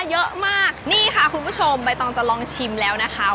เยอะมากนี่ค่ะคุณผู้ชมใบตองจะลองชิมแล้วนะคะ